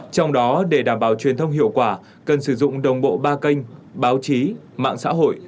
trong đó để đảm bảo truyền thông hiệu quả cần sử dụng đồng bộ ba kênh báo chí mạng xã hội